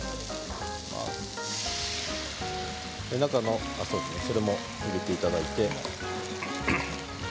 中のそれも入れていただいて。